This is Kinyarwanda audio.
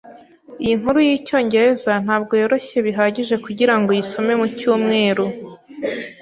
Iyi nkuru yicyongereza ntabwo yoroshye bihagije kugirango uyisome mucyumweru.